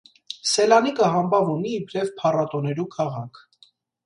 Սելանիկը համբաւ ունի իբրեւ փառատօներու քաղաք։